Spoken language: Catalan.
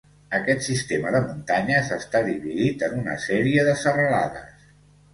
Aquest sistema de muntanyes està dividit en una sèrie de serralades.